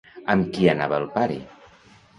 Amb qui anava el pare?